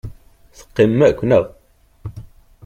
Teqqimem akk, naɣ?